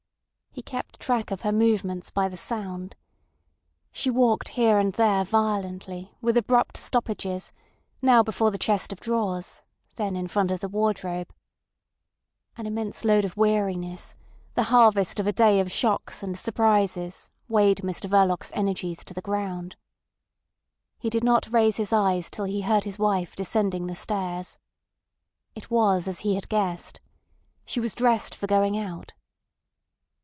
He kept track of her movements by the sound. She walked here and there violently, with abrupt stoppages, now before the chest of drawers, then in front of the wardrobe. An immense load of weariness, the harvest of a day of shocks and surprises, weighed Mr Verloc's energies to the ground. He did not raise his eyes till he heard his wife descending the stairs. It was as he had guessed. She was dressed for going out.